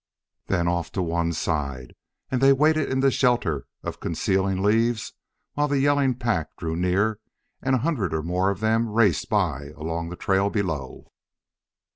Then off to one side! And they waited in the shelter of concealing leaves while the yelling pack drew near and a hundred or more of them raced by along the trail below.